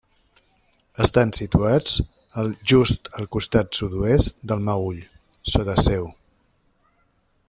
Estan situats just al costat sud-oest del Meüll, sota seu.